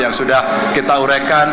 yang sudah kita uraikan